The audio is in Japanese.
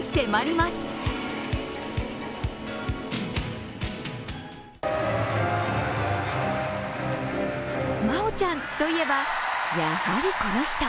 「まおちゃん」といえば、やはりこの人。